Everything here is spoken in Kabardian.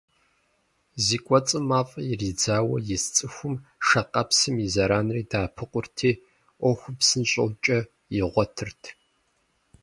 Зи кӏуэцӏым мафӏэ иридзауэ ис цӏыхум шакъэпсым и зэранри «дэӏэпыкъурти», ӏуэхум псынщӏэу кӏэ игъуэтырт.